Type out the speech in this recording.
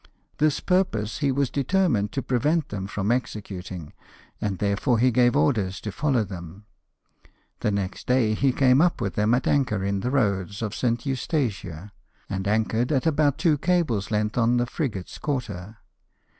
This purpose he was determined to prevent them from executing, and therefore he gave orders to follow them. The next day he came up with them at anchor in the roads of St. Eustatia, and anchored at about two cables' lengths on the frigate's quarter.